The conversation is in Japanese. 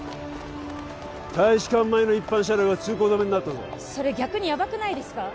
大使館前の一般車両は通行止めになったぞそれ逆にやばくないですか？